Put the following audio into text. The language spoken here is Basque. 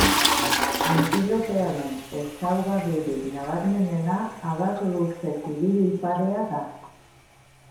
Antilope honen ezaugarririk nabarmenena adar luze kiribil parea da.